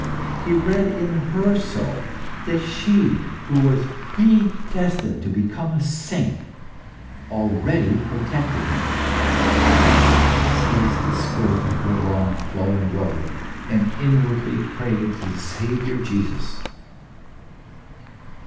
He read in her soul that she, who was predestined to become a saint, already protected him. He seized the skirt of her long, flowing robe, and inwardly prayed to the Saviour Jesus.